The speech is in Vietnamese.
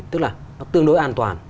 tức là nó tương đối an toàn